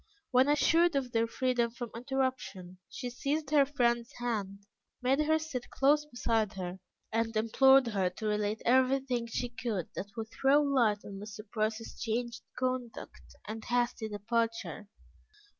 When assured of their freedom from interruption, she seized her friend's hand, made her sit close beside her, and implored her to relate everything she could that would throw light on Mr. Price's changed conduct and hasty departure.